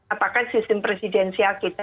apakah sistem presidensial kita